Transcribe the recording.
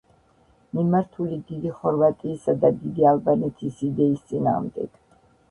მიმართული დიდი ხორვატიისა და დიდი ალბანეთის იდეის წინააღმდეგ.